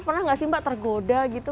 pernah nggak sih mbak tergoda gitu